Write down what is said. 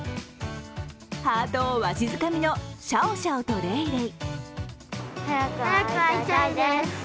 ハートをわしづかみのシャオシャオとレイレイ。